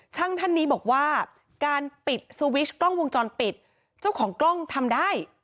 ช่างท่านนี้บอกว่าการปิดสวิชกล้องวงจรปิดเจ้าของกล้องทำได้